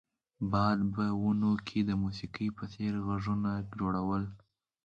باد په ونو کې د موسیقۍ په څیر غږونه جوړول